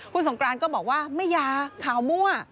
คุณสงกรานก็บอกว่าไม่ยาข่าวมั่ว